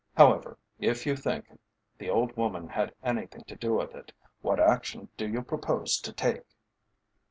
However, if you think the old woman had anything to do with it, what action do you propose to take?"